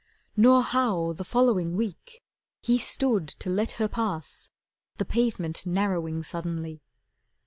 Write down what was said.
Nor how the following week he stood to let Her pass, the pavement narrowing suddenly.